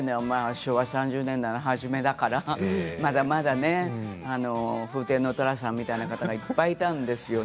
昭和３０年代の初めだフーテンの寅さんみたいな人がいっぱいいたんですよね。